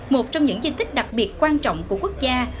một trong những di tích đặc biệt quan trọng của quốc gia